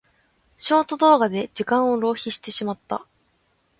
ショート動画で時間を浪費してしまった。